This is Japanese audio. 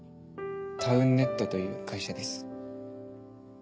タウンネットという会社です。